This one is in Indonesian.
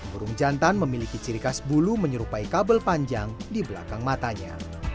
burung jantan memiliki ciri khas bulu menyerupai kabel panjang di belakang matanya